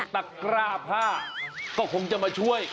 ตะกร้าผ้าก็คงจะมาช่วย